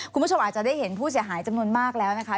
คุณผู้ชมอาจจะได้เห็นผู้เสียหายจำนวนมากแล้วนะคะ